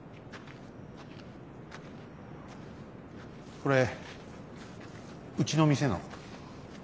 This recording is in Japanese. これうちの店の。